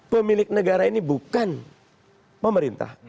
pemilik negara ini bukan pemerintah